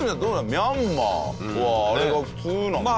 ミャンマーはあれが普通なんですか？